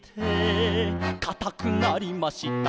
「かたくなりました」